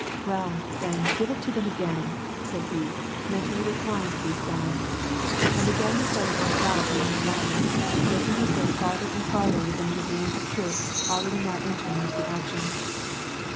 " Well, then, give it to them again !" said he, mentally re plying to these souuds; and again he started on a gallop along 1 WAR AND PEACE. 345 the lines, making his way farther and farther within the domain of the troops already now entering into the action.